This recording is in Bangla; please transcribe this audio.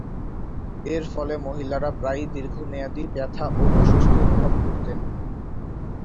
এর ফলে মহিলারা প্রায়ই দীর্ঘমেয়াদী ব্যথা এবং অস্বস্তি অনুভব করতেন।